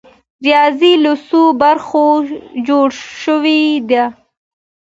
ریاضي له څو برخو جوړه شوې ده؟